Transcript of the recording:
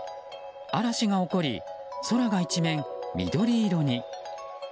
嵐が起こり空が一面緑色に。